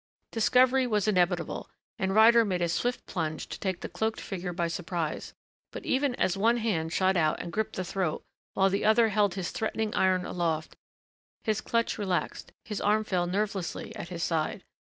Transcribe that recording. Discovery was inevitable and Ryder made a swift plunge to take the cloaked figure by surprise, but even as one hand shot out and gripped the throat while the other held his threatening iron aloft, his clutch relaxed, his arm fell nervelessly at his side.